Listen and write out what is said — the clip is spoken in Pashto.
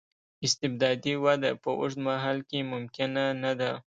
استبدادي وده په اوږد مهال کې ممکنه نه ده.